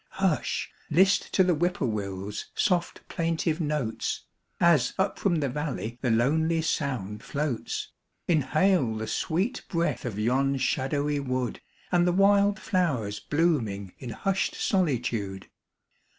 Hush! list to the Whip poor will's soft plaintive notes, As up from the valley the lonely sound floats, Inhale the sweet breath of yon shadowy wood And the wild flowers blooming in hushed solitude.